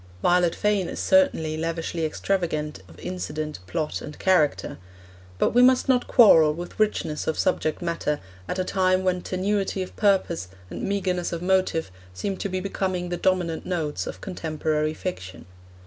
Violet Fane is certainly lavishly extravagant of incident, plot, and character. But we must not quarrel with richness of subject matter at a time when tenuity of purpose and meagreness of motive seem to be becoming the dominant notes of contemporary fiction.